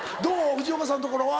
藤岡さんのところは？